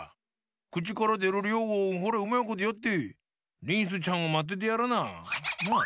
くちからでるりょうをホレうまいことやってリンスちゃんをまっててやらな。なあ！